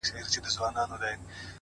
• بلال په وینو رنګوي منبر په کاڼو ولي,